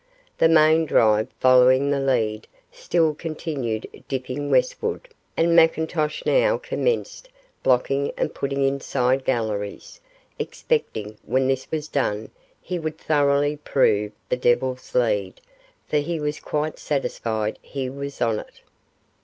The main drive following the lead still continued dipping westward, and McIntosh now commenced blocking and putting in side galleries, expecting when this was done he would thoroughly prove the Devil's Lead, for he was quite satisfied he was on it.